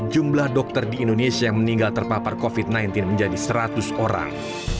jumlah dokter di indonesia yang meninggal terpapar covid sembilan belas menjadi seratus orang